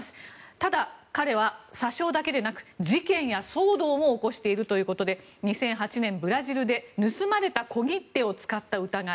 ただ、彼は詐称だけでなく事件や騒動も起こしているということで２００８年、ブラジルで盗まれた小切手を使った疑い。